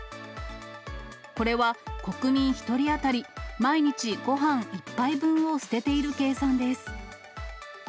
これは国民１人当たり毎日ごはん１杯分を捨てている計算です。